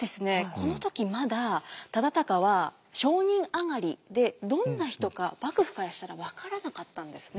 この時まだ忠敬は商人上がりでどんな人か幕府からしたら分からなかったんですね。